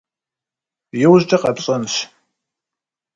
Иужькӏэ къэпщӏэнщ.